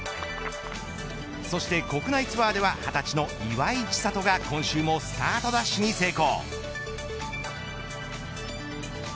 そして国内ツアーでは２０歳の岩井千怜が今週もスタートダッシュに成功。